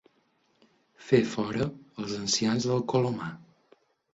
Fer fora els ancians del colomar.